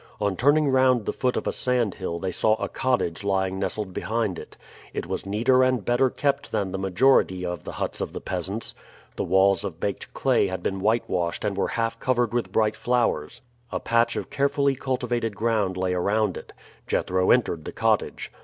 On turning round the foot of a sandhill they saw a cottage lying nestled behind it. It was neater and better kept than the majority of the huts of the peasants. The walls of baked clay had been whitewashed and were half covered with bright flowers. A patch of carefully cultivated ground lay around it. Jethro entered the cottage.